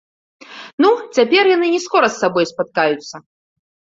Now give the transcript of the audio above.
Ну, цяпер яны не скора з сабой спаткаюцца.